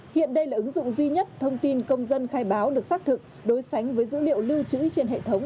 hiện đây là ứng dụng duy nhất thông tin công dân khai báo được xác thực đối sánh với dữ liệu lưu trữ trên hệ thống